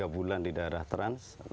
tiga bulan di daerah trans